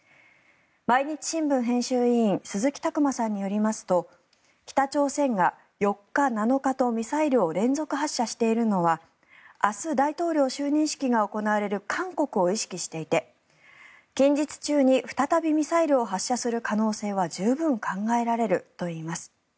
毎日新聞編集委員鈴木琢磨さんによりますと北朝鮮が４日、７日とミサイルを連続発射しているのは明日、大統領就任式が行われる韓国を意識していて近日中に再びミサイルを発射する可能性は十分考えられるといいます。